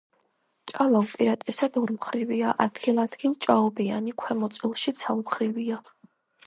ჭალა უპირატესად ორმხრივია, ადგილ-ადგილ ჭაობიანი, ქვემო წელში ცალმხრივია.